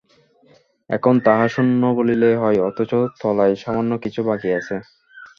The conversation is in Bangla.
এখন তাহা শূন্য বলিলেই হয়, অথচ তলায় সামান্য কিছু বাকি আছে।